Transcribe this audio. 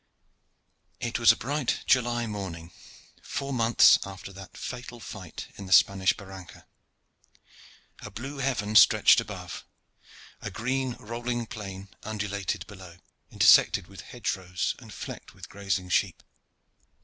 It was a bright July morning four months after that fatal fight in the Spanish barranca. A blue heaven stretched above, a green rolling plain undulated below, intersected with hedge rows and flecked with grazing sheep.